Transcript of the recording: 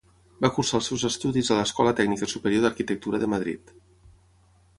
Va cursar els seus estudis a l'Escola Tècnica Superior d'Arquitectura de Madrid.